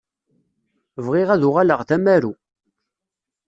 Bɣiɣ ad uɣaleɣ d amaru.